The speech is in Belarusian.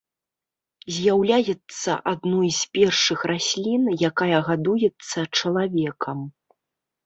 З'яўляецца адной з першых раслін, якая гадуюцца чалавекам.